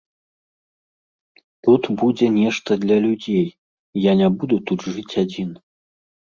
Тут будзе нешта для людзей, я не буду тут жыць адзін.